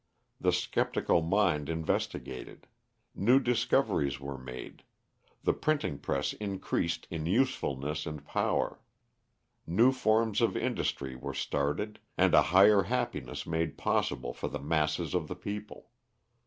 The sceptical mind investigated; new discoveries were made; the printing press increased in usefulness and power; new forms of industry were started, and a higher happiness made possible for the masses of the people.